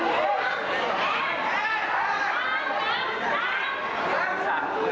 เย้ต้องบอก